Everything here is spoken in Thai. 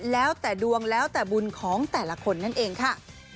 แล้วแต่ดวงแล้วแต่บุญของแต่ละคนนั่นเองค่ะ